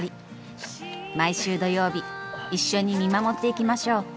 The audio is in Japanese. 毎週土曜日一緒に見守っていきましょう。